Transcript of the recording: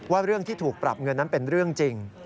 เรื่องที่ถูกปรับเงินนั้นเป็นเรื่องจริง